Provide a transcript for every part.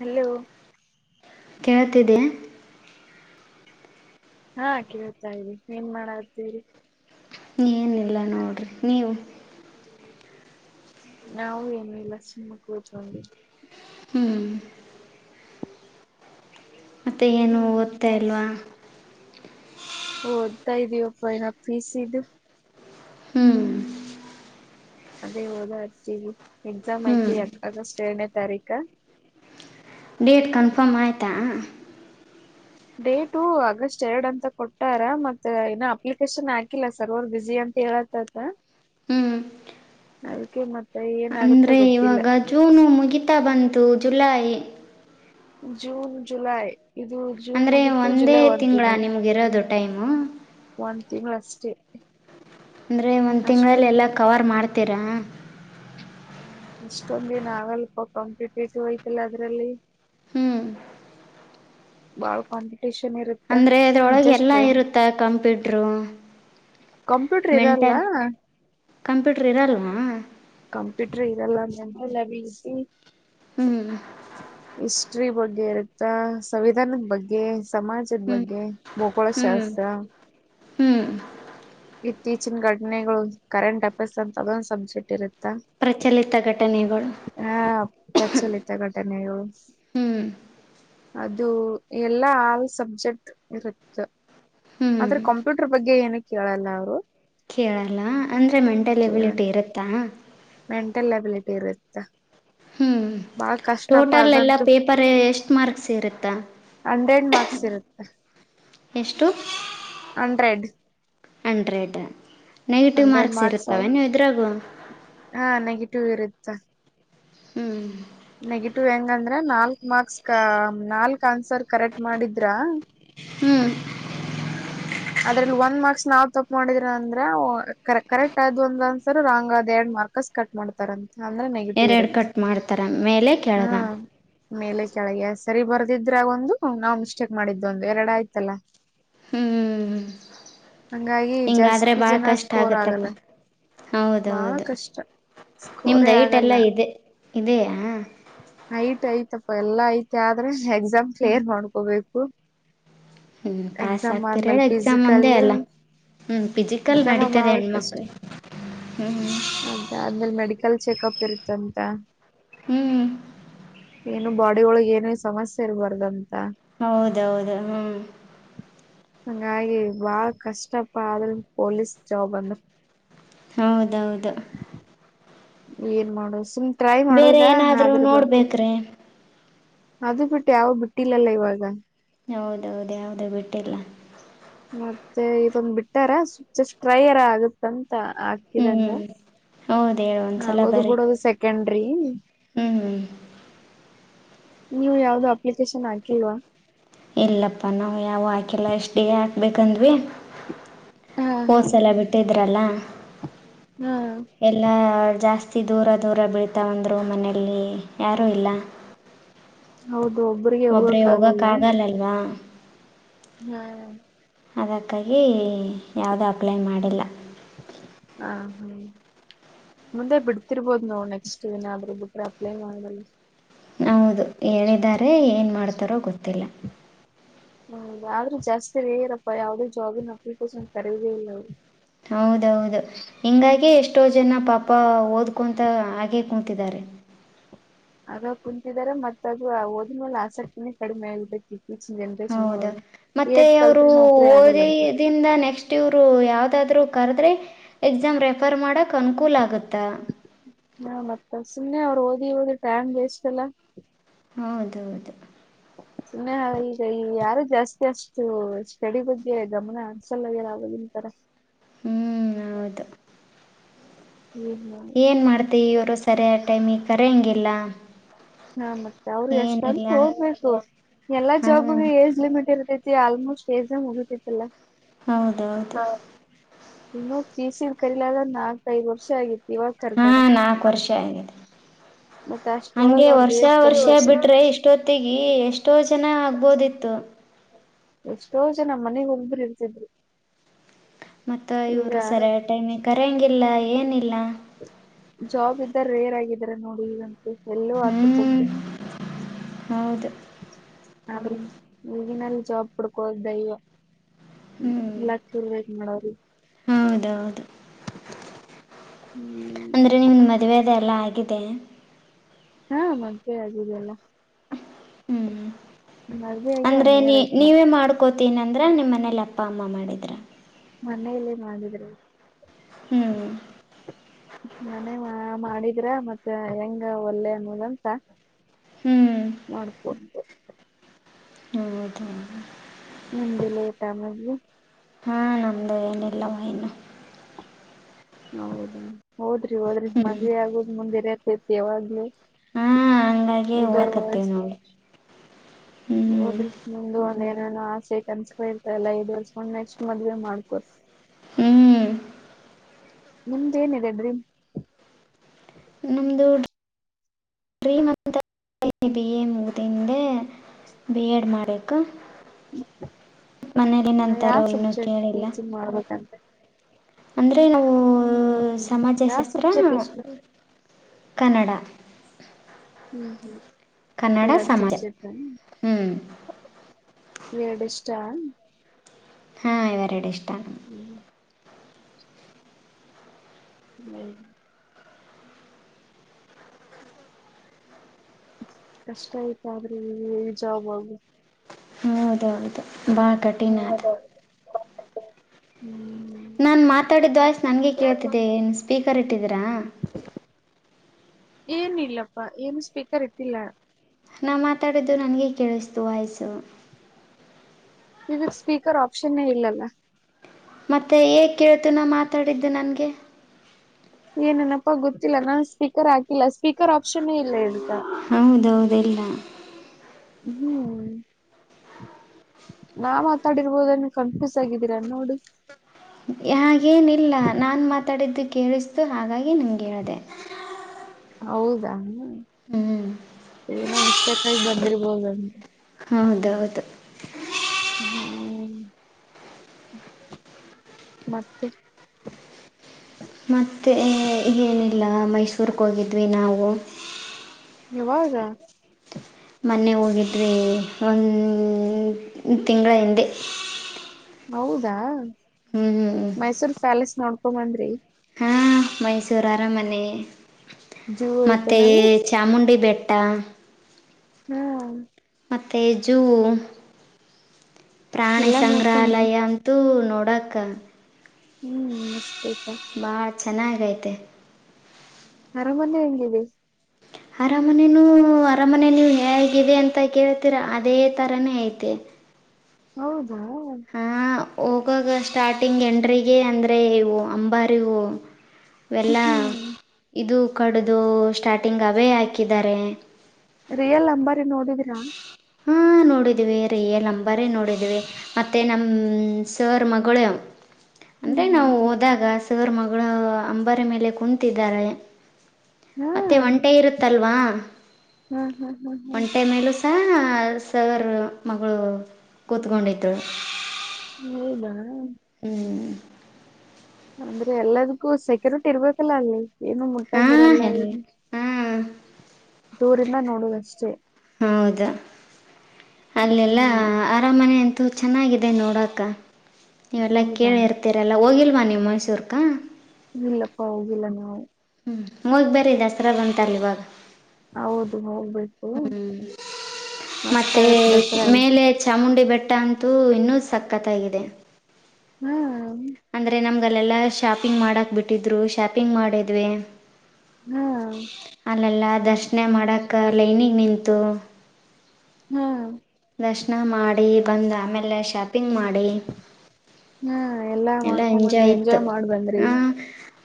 Hello ಕೇಳ್ತಿದೆ ಹಾ ಕೇಳ್ತ ಇದಿ ಏನ್ ಮಾಡದು ಹೇಳಿ ಇನ್ಲ್ಲ ನೋಡ್ರಿ ನೀವು ನಾವು ಏನು ಇಲ್ಲ ಸುಮ್ಮ ಕೂತ್ಕೊಂಡವಿ ಹ್ಞೂ ಮತ್ತೆ ಏನು ಹ್ಮ್ ಓದ್ತಾ ಮತ್ ಇಲ್ವಾ ಓದ್ತಾ ಇದಿವಪ್ಪ ಏನೋ ಪೀಸ್ ಇದು. ಹ್ಮ್ ಅದೇ ಹೋದಾ ಇರ್ತೀವಿ ಎಕ್ಸಾಮ್ ಹ್ಞೂ ಐತಿ ಯಾಗಷ್ಟ ಎ ತಾರಿಕ ಡೇಟ್ ಕನ್ಫರ್ಮ್ ಆಯಿತಾ ಡೇಟು ಆಗಸ್ಟ್ ಎರಡ್ ಅಂತ ಕೊಟ್ಟಾರ ಮತ್ತ ಇನ್ನ ಅಪ್ಲಿಕೇಶನ್ ಹಾಕಿಲ್ಲ ಸರ್ವರ್ ಬಿಸಿ ಅಂತ [unintelligible] ಹ್ಮ್ ಅದಕ್ಕೆ ಮತ್ತೆ ಏನಾಗುತ್ತ ಅಂದ್ರೆ ಗೊತ್ತಿಲ್ಲ ಇವಾಗ ಜೂನು ಮುಗಿತಾ ಬಂತು ಜುಲೈ ಜೂನ್ ಜುಲೈ ಇದು ಜೂನ್ ಅಂದರೆ ಮುಗಿತ್ತು ಒಂದೇ ಜುಲೈ ಒಂದ್ ತಿಂಗಳ ತಿಂಗಳು ನಿಮಗಿರೋದು ಟೈಮು ಒ ತಿಂಗಳಷ್ಟೇ ಅಂದ್ರೆ ಒಂದ್ ತಿಂಗಳಲ್ಲಿ ಎಲ್ಲ ಕವರ್ ಮಾಡ್ತೀರಾ ಇಷ್ಟೊಂದೇನ್ ಆಗಲ್ಪ ಕಾಂಪೀಟೇಟಿವ್ ಐತಲ್ಲ ಅದ್ರಲ್ಲಿ ಹ್ಞೂ ಬಳಕಂಡ ಅಂದ್ರೆ ಅದ್ರೊಳಗೆ ಎಲ್ಲಾ ಇರುತ್ತ ಕಂಪ್ಯೂಟ್ರು ಕಂಪ್ಯೂಟರ್ ಇರಲ್ಲ ಕಂಪ್ಯೂಟರ್ ಇರಲ್ವಾ ಕಂಪ್ಯೂಟರ್ ಇದೆಲ್ಲ ನ [unintelligible] ಹ್ಞೂ ಇಷ್ಟ [inaudible] ಹಟ್ರಿ [unintelligible] ಬಗ್ಗೆ ಇರುತ್ತಾ ಸಂವಿಧಾನದ ಬಗ್ಗೆ ಸಮಾಜದ ಹ್ಞೂ ಬಗ್ಗೆ ಭೂಗೋಳಶಾಸ್ತ್ರ ಹ್ಮ್ ಇತ್ತೀಚಿನ ಘಟನೆಗಳು ಕರೆಂಟ್ ಅಫೇರ್ಸ್ ಅಂತ ಅದೊಂದು ಸಬ್ಸೆಟ್ ಇರುತ್ತೆ ಪ್ರಚಲಿತ ಘಟನೆಗಳು ಹಾ ಪ್ರಚಲಿತ ಘಟನೆಗಳು ಹ್ಮ್ ಅದು ಎಲ್ಲಾ ಆಲ್ ಸಬ್ಜೆಕ್ಟ್ ಇರುತ್ತ ಹ್ಮ್ ಆದ್ರೆ ಕಂಪ್ಯೂಟರ್ ಬಗ್ಗೆ ಏನು ಕೇಳಲ್ಲ ಅವ್ರು ಕೇಳಲ್ಲ ಅಂದ್ರೆ ಮೆಂಟಲ್ ಎ ಕೇಳ ವಿಳಿಟು ಇರುತ್ತಾ ಮೆಂಟಲ್ ಎಬಿಲಿಟಿ ಇರುತ್ತೆ ಹ್ಮ್ ಟೋಟಲ್ ಎಲ್ಲ ಅದಂತೂ ಪೇಪರ್ ಎಷ್ಟ ಮಾರ್ಕ್ಸ್ ಇರುತ್ತಾ ಹಂಡ್ರೆಡ್ ಮಾರ್ಕ್ಸ್ ಇರುತ್ತೆ ಎಷ್ಟು ಹಂಡ್ರೆಡ್ ಹಂಡ್ರೆಡ್ ನೆಗೆಟಿವ್ ಮಾರ್ಕ್ಸ್ ಇರುತ್ತವೆ ನೀವು ಇದ್ರಾಗೂ ಹಾ ನೆಗೆಟಿವ್ ಇರುತ್ತ ಹ್ಮ್ ನೆಗೆಟಿವ್ ಹೆಂಗಂದ್ರ ನಾಲ್ಕ್ ಮಾರ್ಕ್ಸ್ ಕ ನಾಲ್ಕ್ ಆನ್ಸರ್ ಕರೆಕ್ಟ್ ಮಾಡಿದ್ರ ಹ್ಮ್ ಅದ್ರಲ್ಲಿ ಒಂದ್ ಮಾರ್ಕ್ಸ್ ನಾವ್ ತಪ್ ಮಾಡಿದ್ರ ಅಂದ್ರೆ ಕರೆಕ್ಟ್ ಆದ್ ಒಂದ್ ಆನ್ಸರ್ ರಾಂಗ್ ಆದ್ ಎರಡ್ ಮಾರ್ಕಸ್ ಕಟ್ ಮಾಡ್ತಾರಂತ ಅಂದ್ರೆ ನೆಗೆಟಿವ್ ಎರಡು ಇರುತ್ತೆ ಕಟ್ ಮಾಡ್ತಾರೆ ಮೇಲೆ ಹಾ ಕೆಳಗ ಮೇಲೆ ಕೆಳಗೆ ಸರಿ ಬರ್ದಿದ್ರಾಗೊಂದು ನಾವ್ ಮಿಸ್ಟೇಕ್ ಮಾಡಿದ್ದೊಂದು ಎರಡ ಆಯ್ತಲ್ಲ ಹ್ಮ್ ಹಂಗಾಗಿ ಹಿಂಗಾದ್ರೆ ಜಾಸ್ತಿ ಬಾಳ್ ಜನ ಕಷ್ಟ ಸ್ಕೋರ್ ಆಗತ್ತಪ್ಪ ಆಗಲ್ಲ ಬಹಳ ಹೌದೌದು ಕಷ್ಟ ಸ್ಕೋರೇ ಆಗಲ್ಲ ನಿಮ್ದಯಟೆಲ್ಲಾ ಇದೆ ಇದೆಯಾ ಹೈಟ್ ಆಯ್ತಾ ಎಲ್ಲಾ ಐತೆ ಆದ್ರೆ ಎಕ್ಸಾಮ್ ಹ್ಞೂ ಕ್ಲೇರ್ ಮಾಡೋ್ಕೋಬೇಕು ಹ್ಮ್ ಪಾಸ್ ಆಗ್ತರಿ ಆದ್ಮೇಲ್ ಹೇಳ ಎಕ್ಸಾಮ್ ಫಿಸಿಕಲ್ ಒಂದೇ ಅಲ್ಲ ಹ್ಮ್ ಫಿಸಿಕಲ್ ಎಕ್ಸಾಮ್ ನಡೀತದೆ ಹೆಣ್ಮಕ್ಳು ಅದೇ ಆದ್ಮೇಲೆ ಮೆಡಿಕಲ್ ಚೆಕ್ಪ್ ಇರುತ್ತಂತ ಹ್ಮ್ ಏನು ಬಾಡಿೊಳ ಏನೇ ಸಮಸ್ಯೆ ಇರಬಾರ್ದ ಅಂತ ಹೌದೌದು ಹ್ಮ ಹಂಗಾಗಿ ಬಾಳ ಕಷ್ಟಪ ಆದ್ರ ಪೊಲೀಸ್ ಜಾಬ್ ಅಂದ್ರರು ಹೌದೌದು ಏನ್ ಮಾಡೋ ಸುಮ್ ಟ್ರೈ ಬೇರೆ ಮಾಡೋದಾ ಏನಾದ್ರೂ ಆದ್ರೆ ಬಂತು ನೋಡ್ಬೇಕ್ರೆ ಅದು ಬಿಟ್ಟು ಯಾವ ಬಿಟ್ಟಿಲ್ಲಲ್ಲ ಇವಾಗ ಹೌದೌದು ಯಾವುದು ಬಿಟ್ಟಿಲ್ಲ ಮತ್ತೆ ಇದೊಂದ ಬಿಟ್ಟಾರ ಜಸ್ಟ್ ಡ್ರೈಯರ್ ಆಗುತ್ತಂತ ಹಾಕಿದಂಗ ಹ್ಮ್ ಹೌದ ಹೇಳು ಒಂದ್ಸಲ ಆಗೋದು ಬರಿ ಬಿಡೋದು ಸೆಕೆಂಡ್ರಿ. ಹ್ಮ್ ಹ್ಮ್. ನೀವು ಯಾವ್ದೋ ಅಪ್ಲಿಕೇಶನ್ ಹಾಕಿಲ್ವಾ. ಇಲ್ಲಪ್ಪಾ ನಾವ್ ಯಾವ ಆಾಕೆಲ್ಲ ಎಷ್ಟ ಡ ಹಾಕ್ಬೇಕಂದ್ವಿ. ಹಾ ಹಾ ಹೋದ್ಸಲ ಎಲ್ಲ ಬಿಟ್ಟಿದ್ರಲ್ಲ ಹಾ ಎಲ್ಲಾ. ಜಾಸ್ತಿ ದೂರ ದೂರ ಬೀಳ್ತಾವಾವಂದ್ರು ಮನೆಯಲ್ಲಿ ಯಾರೂ ಇಲ್ಲ. ಹೌದು ಒಬ್ಬ್ರಿಗೆ ಒಬ್ರೆ ಹೋಗಕ್ ಆಗಲ್ಲ ಆಗಲ್ಲಲ್ವಾ. ಹ್ಮ್. ಅದಕ್ಕಾಗಿ ಯಾವುದೂ ಅಪ್ಲೈ ಮಾಡಿಲ್ಲ. ಹಾ ಹ್ಮ. ಮುಂದೆ ಬಿಡ್ತಿರ್ಬೋದ ನೋ ನೆಕ್ಸ್ಟ್ ಏನಾದ್ರು ಬಿಟ್ರೆ ಅಪ್ಲೈ ಮಾಡಲ್ಲ. ಹೌದು ಹೇಳಿದ್ದಾರೆ ಏನು ಮಾಡ್ತಾರೋ ಗೊತ್ತಿಲ್ಲ. ಹ್ಮ್ ಆದ್ರೂ ಜಾಸ್ತಿ ರೇರಪ್ಪಾ ಯಾವ್ದೇ ಜಾಗಿನ್ ಹಕ್ಲಿಕ್ಕೋಸನ್ ಕರುದೇ ಇಲ್ಲ. ಹೌದೌದು ಹಿಂಗಾಗಿ ಎಷ್ಟೋ ಜನ ಪಾಪ ಓದ. ಕುೂಂತಾ ಹಾಗೇ ಕುೂತಿದ್ದಾರೆ. ಆಗ ಕುಂತಿದಿದ್ದಾರೆ ಮತ್ತ ಅದು ಓದ್ನಲ್ಲ ಆಸಕ್ತಿನೇ ಕಡಿಮೆ ಇರ್ಬೇಕಿತ್ತು. ಹೌದಾ ಮತ್ತೆ ಅವರು ಕಲ್ತ್ರಿ ನೌಕರಿ ಆಗಲ್ಲ ಅಂತ ಓದಿದಿಂದ ನೆಕ್ಸ್ಟ್ ಇವ್ರು ಯಾವ್ದಾದ್ರು. ಕದ್ರೆ ಎಕ್ಸಾಮ್ ರೆಫರ್ ಮಾಡಕ್. ಹಾ ಮತ್ತ ಸುಮ್ಮನೆ ಅವ್ರು ಓದಿ ಓದಿ ಟ್ಯಾಂ್ ವೇಷ್ಟ ಎಲ್ಲ. ಹೌದೌದು. ಸುಮ್ಮನೆ ಈಗ ಯಾರು ಜಾಸ್ತಿ ಅಷ್ಟು ಸ್ಟಡಿ ಬಗ್ಗೆ ಗಮನ ಅನ್ಸಲ್ಲ ಅವಲ್ಲ. ತನ್ ತರ. ಹ್ಮ್ ಹೌದು. ಏನ್ ಏನು ಮಾಡ್ತೀವಿ ಇವರು ಸರಿಯ ಟೈಮಿಗೆ ಕರಂಗಿಲ್ಲ. ಹಾ ಮತ್ತೆ ಅವರು ಎಷ್ಟಂತ ಹೋಗ್ಬೇಕು ಎಲ್ಲಾ ಹಾಂ ಜಾಬ್ಗೆ ಏಜ್ ಲಿಮಿಟ್ ಇರತಿ. ಆಲ್ಮೋಸ್ಟ್ ಕೆೇ ಜ ಮುಗಿಸಲ್ಲ. ಹೌದೌದು. ಇನ್ನುೂ ಚೀಸಿದ ಕರಿೀಲಾದ ನಾಲ್ಕೈಐದು ವರ್ಷ ಆಗಿತ್ತು. ಇವಾಗ ಹಾ ಕರ್ದಾರ ನಾಕು ವರ್ಷ ಆಗಿದೆ ಮತ್ತ ಅಷ್ಟ್ರೊಳಗ ಹಂಗೆ ಅವ್ರದ ವರ್ಷ ಏಜ್ ಕಮ್ಮಿ ವರ್ಷ ಇರ್ತೈತಿ ಬಿಟ್ರೆ ಇಷ್ಟೊತ್ತಗಿ ಎಷ್ಟೊ ಚೆನ್ನಾಗಗ್ಬೋದಿತ್ತು ಎಷ್ಟೋ ಜನ ಮನೆಗ್ ಒಂದಬರು ಇರ್ತಿದ್ರಿ ಮತ್ತುತ್ತ ಇವರು ಸರಿಯ ಟೈಮಿಗೆ ಕರೆಯಂಗಿಲ್ಲ ಏನಿಲ್ಲ ಜಾಬ್ ಇದ್ದ ರೇರ್ ಆಗಿದಿದ್ದಾರೆ ನೋಡಿ ಈಗಂತ ಎಲ್ಲೋ ಹ್ಞೂ ಆತ ತೊಂಡು ಹೌದು ಅ ಈಗಿನಲ್ಲಿ ಜಾಬ್ ಪುಡ್ಕೋದು ದೈವ ಹ್ಞೂ ಲಕ್ಷ ಪಾಯಟ್ ಮಾಡೋದು ಹೌದೌದು ಹ್ಮ್ ಇದೆಲ್ಲ ಆಗಿದೆ ಹಾ ಮದುವೆ ಅಿಲ್ಲಲ್ಲ ಹ್ಮ್ ಅಂದ್ರೆ ಒನ್ ನೀ ಇಯರ್ ಆಯ್ತ್ ಮತ್ ನೀವೇ ಮಾಡ್ಕೋತೀನ. ಅಂದ್ರೆ ನಿಮ್ಮ ಮನೇಲಿ ಅಪ್ಪ ಅಮ್ಮ ಮಾಡಿದ್ರ. ಮನೆಯಲ್ಲೇ ಮಾಡಿದರು. ಹ್ಮ್. ಹ ಮಾಡಿದ್ರ ಮತ್ತ ಹೆಂಗ ಒಳ್ಳೆ ಅನ್ನೋದಂತ. ಹ್ಞೂ ನಕು. ಹೌದ. ನಿಮ್ದು ಲೇಟಾಮ. ಹಾ ನಮ್ದು ಏನಿಲ್ಲವಾ ಇನ್ನು. ಹೌದ ಹೋದ್ರಿ ಹೋದ್ರಿ ಹ್ಞೂ ಮದುವ ಆಗದ್ ಮುಂದೆ ಇರತೈತಿ ಯಾವಾಗ್ಲೂ. ಹಾ ಹಂಗಾಗಿ ಹೂವ ಉದಾ ಕತ್ತೇವಿ ವಯಸ್ಸು ನೋಡಿ ಹ್ಞೂ ಹೋದ್ರಿ ನಿಮ್ದು ಒಂದ ನಾನು ಆಸೆ ಕ ಅನ್ಸ್ಕೊ ಇರ್ತಲ್ಲ ಐಡ್ ಇರ್ಸ್ಕೊಂಡ್ ನೆಕ್ಸ್ಟ್ ಮದ್ವೆ ಮಾಡ್ಕೋರ್ ಹ್ಮ್ ನಿಮ್ದೇನಿದೆ ಡ್ರೀಮ್ ನಮದು ಬಿ ಎ ಮುದಿಂದೆ ಬಿ ಎಡ್ ಮಾಡಕು ಮನೇೆಯಲ್ಲಿ ಯಾವ ನಂತಾರೋ ಇನ್ನುೂ ಸಬ್ಜೆಕ್ಟ್ ಕೇಳಿಲ್ಲ ಟೀಚಿಂಗ್ ಮಾಡ್ಬೇಕಂತ ಅಂದ್ರೆ ನಾವು ಹ್ಮ್ ಹ್ಮ್ ಯಾವ ಸಮಾಜಶಾಸ್ತ್ರ ಸಬ್ಜೆಕ್ಟ್ ಇಷ್ಟ ಕನ್ನಡ ಹ್ಮ ಕನ್ನಡ ಬೇರಡು ಸಮಾಜ ಸಬ್ಜೆಕ್ಟ್ ಹ್ಞೂ ವೇರೆಡೆ [unintelligible] ಹಾ ಇವರಡ ಇಷ್ಟ ಹ್ಮ್ ಹ್ಮ್ ಕಷ್ಟ ಆಯ್ತ ಆದ್ರಿ ಈಜಾಗ ಹೌದ ಹೌದು ಬಾ ಕಠಿಣ ಅದು ಹೌದೌದು ಹ್ಮ್ ನಾ ಮಾತಾಡಿದ್ದು ಆಯ್ಸ್ ನನ್ಗೆ ನಾನ್ ಮಾತ ಕೇಳ್ತಿದ್ದೆನ್ ಸ್ಪೀಕರ್ ಇಟ್ಟಿದ್ದೀರಾ ಏನಿಲ್ಲಪ್ಪಾ ಏನು ಸ್ಪೀಕರ್ ಇತ್ತಿಲ್ಲ ನಾು ಮಾತಾಡಿದ್ದು ನನಗೆ ಕೇಳಿಸ್ತು ವಾಯ್ಸು ವಿವಿ ಸ್ಪೀಕರ್ ಆಪ್ಷನ್ನೇ ಇಲ್ಲಲ್ಲ ಮತ್ತೆ ಏಗ್ ಕೇಳ್ತು ನಾ ಮಾತಾಡಿದ್ದು ನನ್ಗೆ ಏನನಪ್ಪ ಗೊತ್ತಿಲ್ಲ ನಾನನ್ ಸ್ಪೀಕರ್ ಹಾಕಿಲ್ಲ ಸ್ಪೀ ರ್ ಆಪ್ಷನೇ ಇಲ್ಲ ಇತ ಹೌದೌದು ಇಲ್ಲ ಹ್ಮ್ ನಾ ಮಾತಾಡಿರ್ಬೋದನ್ನು ಕನ್ಫ್ಯೂಸ್ ಆಗಿದ್ದೀರಾ ನೋಡು ಹಾಗೇನಿಲ್ಲ ನಾನ್ ಮಾತಾಡಿದ್ದು ಕೇಳಿಸ್ತು ಹಾಗಾಗಿ ನಮಗೆ ಇರದೆ ಹೌದಾ ಹ್ಮ್ ಏನೋ ಮಿಸ್ಟೇಕ್ ಆಗಿ ಬಂದಿರ್ಬೋದು ಹೌದೌದು ಹ್ಮ್ ಮತ್ತೆ ಮ ಏನಿಲ್ಲ ಮೈಸೂರ್ಗೋಗಿದ್ವಿ ನಾವು ನೀವಾಗಾ ಮೊನ್ನೆ ಹೋಗಿದರೆ ಒಂದು ತಿಂಗಳ ಹಿಂದೆ ಹೌದಾ ಹ್ಞೂ ಮೈಸೂರ್ ಪ್ಯಾಲೇಸ್ ನೋಡ್ಕೊಂದ್ರಿ ಮೈಸೂರ ಅರಮನೆ ಜೂ ಮತ್ತೆ ಐತನಲ್ಲಿ ಚಾಮುಂಡಿ ಬೆಟ್ಟ ಡಾ ಹ್ಮ್ ಮತ್ತು ಜೂ ಪ್ರಾಣಿ ಎಲ್ಲಾ ನೋಡ್ಕೊಂಡ್ರಿ ಸಂಗ್ರಹಾಲಯ ಅಂತೂ ನೋಡಕ ಹ್ಮ್ ಮಸ್ತತ ಭಾಳ ಚೆನ್ನಾಗೈತೆ ಅರಾಮನೆ ಹೆಂಗಿದೆ ಅರಮನೆನು ಅರಮನೆ ನೀವು ಹೇಗಿದೆ ಅಂತ ಕೇಳ್ತೀರ ಅದೇ ತರಾನೇ ಐತೆ ಹ ಹೌದು ಹೋಗಾಗ ಸ್ಟಾರ್ಟಿಂಗ್ ಎಂಡರಿಗೆ ಅಂದರೆ ಇವು ಅಂಬಾರಿ ಹೂ ವೆಲ್ಲ ಹ್ಮ್ ಇದು ಕಡ್ದು ಸ್ಟಾರ್ಟಿಂಗ್ ಅವೇ ಹಾಕಿದ್ದಾರೆ ರಿಯಲ್ ನಂಬರ್ ನೋಡಿದರಾ ಹ್ಮ ನೋಡಿದಿವವಿ ರಿಯಲ್ ನಂಬರೇ ನೋಡಿದೀವಿ ಮ ನಮ್ಮ ಸರ್ ಮಗಳ ಅಂದರೆ ಹ್ಮ್ ಹ್ಮ್ ನಾವು ಹ್ಮ್ ಹೋದಾಗ ಸರ್ ಮಗಳು ಅಂಬಾರಿ ಮೇಲೆ ಕುಂತಿದ್ದಾರೆ ಮತ್ತೆ ಒಂಟೆ ಇರುತ್ತಲ್ವಾ ಹ್ಮ್ ಹ್ಮ್ ಹ್ಮ್ ಹ್ಮ್ ಹೊಂಟೆ ಮೇಲೂ ಸಹ ಸರ್ ಮಗಳು ಕೂತ್ಕೊಂಡಿದರು ಹ ಹ್ಮ್ ಅಂದ್ರೆ ಎಲ್ಲದಕ್ಕೂ ಸೆಕ್ಯೂರಿಟಿ ಇರ್ಬೇಕಲ್ಲ ಅಲ್ಲಿ ಏನು ಹಾ ಮುಟ್ಟಂಗಿರಲ್ಲ ಎಲ್ಲ ಏನು ಹಾ ದೂರಿಂದ ನೋಡುವುದಷ್ಟೇ ಹೌದು ಅಲ್ಲೆಲ್ಲ ಹ್ಮ್ ಅರಮನೆ ಅಂತ ಅದು ಚೆನ್ನಾಗಿದೆ ನೋಡಕ ನೀವೆಲ್ಲ ಹೌದಾ ಕೇಳಿ ಇರ್ತರಲ್ಲ ಹೋಗಿಲ್ ಬನ್ನಿ ಮೈಸೂರ್ಕಾ ಇಲ್ಲಪ್ಪ ಹೋಗಿಲ್ಲ ನಾವ್ ಹು ಹೋಗ್ ಬರ್ರೀ ದಸರಾ ಬಂತಲ್ಲ ಇವಾಗ ಹೌದು ಹೊ [inaudible] ಹ್ಮ್ ಮಸ್ತ್ ಮತ್ತೆ ಆಗತ್ ದಸರಾ ಅಲ್ಲಿ ಮೇಲೆ ಚಾಮುಂಡಿ ಬೆಟ್ಟ ಅಂತೂ ಇನ್ನೂ ಸಕ್ಕತ್ತಾಗಿದೆ ಹ್ಮ್ ಅಂದ್ರೆ ನಮ್ಗಲ್ಲೆಲ್ಲಾ ಶಾಪಿಂಗ್ ಮಾಡಾಕ್ ಬಿಟ್ಟಿದ್ರು ಶಾಪಿಂಗ್ ಮಾಡಿದ್ವೆ ಹಾ ಅಲ್ಲೆಲ್ಲ ದರ್ಶನ ಮಾಡಕ ಲೈನಿಗ್ ನಿಂತ್ ದ [unintelligible] ಹ್ಮ್ ದರ್ಶನ ಮಾಡಿ ಬಂದು ಆಮೇಲೆ ಶಾಪಿಂಗ್ ಮಾಡಿ ಹಾ ಎಲ್ಲಾ ಎಲ್ಲ ಮಾಡ್ಕೊಂಡ್ ಬಂದ್ರಿ ಎಂಜಾಯ್ ಇತ್ತು ಮಾಡ್ ಬಂದ್ರಿ ಹಾ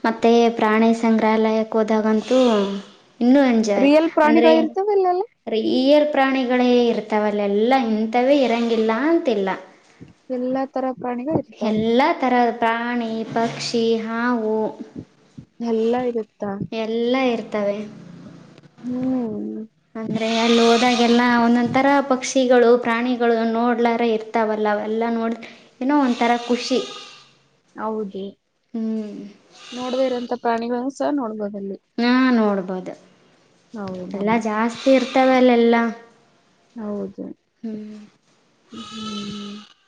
ಮತ್ತೆ ಪ್ರಾಣಿ ಸಂಗ್ರಹಾಲಯಕ್ಕೆ ಹೋದಾಗಂತೂ ಇನ್ನುೂ ಎಂಜಾಯ್ ರಿಯಲ್ ಅಂದ್ರೆ ಪ್ರಾಣಿಗಳು ಇರ್ತವ ಇಲ್ಲೆಲ್ಲ ರೆ ಇಯರ್ ಪ್ರಾಣಿಗಳೇ ಇರ್ತಾವಲ್ಲ ಎಲ್ಲ ಇಂಥವೇ ಇರಂಗಿಲ್ಲ ಅಂತಿಲ್ಲ ಎಲ್ಲಾ ತರ ಪ್ರಾಣಿಗಳು ಇರ್ತಾವ ಎಲ್ಲಾ ತರದ ಪ್ರಾಣಿ ಪಕ್ಷ್ ಹಿ ಹಾವು ಎಲ್ಲ ಇರುತ್ತಾ ಎಲ್ಲ ಇರ್ ತವೇ ಹ್ಮ್ ಹೋದಾಗೆಲ್ಲ ಒಂದೊಂದು ಥರ ಪಕ್ಷಿಗಳು ಪ್ರಾಣಿಗಳು ನೋಡ್ಲಾರ ಇರ್ತಾವಲ್ಲ ಅವೆಲ್ಲ ನೋಡ್ ಏನೋ ಒಂಥರ ಖುಷಿ ಹೌದು ಹ್ಞೂ ನೋಡ್ದೆ ಇರೋಂತ ಪ್ರಾಣಿಗಳನ್ನು ಸ ನೋಡ್ಬೋದಲ್ಲಿ ಹೌದು ಹೌದಾ ಎಲ್ಲ ಜಾಸ್ತಿ ಇರ್ತವೆ ಅಲ್ಲೆಲ್ಲ ಹೌದು ಹ್ಮ್ ಹ್ಮ್